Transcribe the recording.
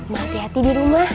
mak hati hati di rumah